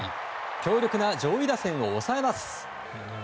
強力な上位打線を抑えます。